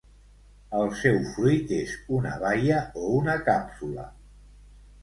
El seu fruit és una baia o una càpsula.